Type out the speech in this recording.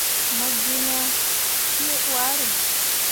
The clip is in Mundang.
Mo gi nah hii hwaare.